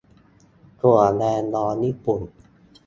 - ถั่วแดงร้อนญี่ปุ่น